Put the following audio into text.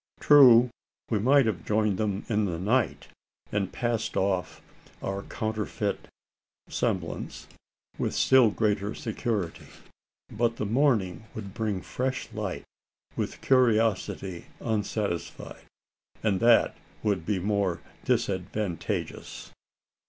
True, we might have joined them in the night, and passed off our counterfeit semblance with still greater security. But the morning would bring fresh light, with curiosity unsatisfied, and that would be more disadvantageous.